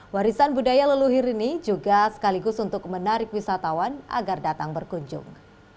warisan budaya leluhur ini juga sekaligus untuk menarik wisatawan agar datang berkunjung